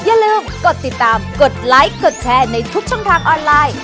อย่าลืมกดติดตามกดไลค์กดแชร์ในทุกช่องทางออนไลน์